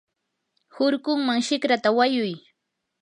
hurkunman shikrata wayuy.